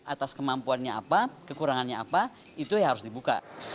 atas kemampuannya apa kekurangannya apa itu yang harus dibuka